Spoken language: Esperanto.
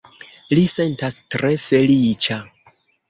Li sentas tre feliĉa